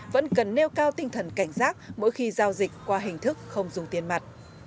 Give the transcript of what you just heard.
vẫn cần nêu cao tinh thần cảnh giác mỗi khi giao dịch qua hình thức không dùng tiền mặt